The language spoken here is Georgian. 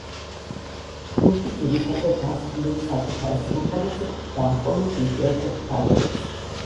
ჯგუფი ძირითადად ასრულებს საკუთარ სიმღერებს და მხოლოდ იშვიათად „ქავერებს“.